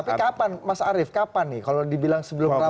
tapi kapan mas arief kapan nih kalau dibilang sebelum rapat